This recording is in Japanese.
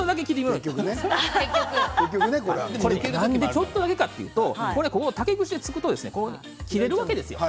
なんでちょっとだけかというと竹串で突くと切れてしまうわけですよ。